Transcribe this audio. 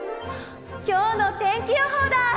今日の天気予報だ！